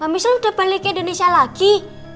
pak michelle udah balik ke indonesia lagi